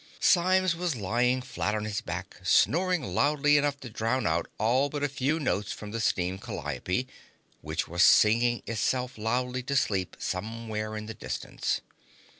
Symes was lying flat on his back, snoring loudly enough to drown out all but a few notes from the steam calliope, which was singing itself loudly to sleep somewhere in the distance.